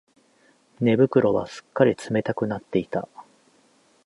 寝袋はすっかり冷たくなっていた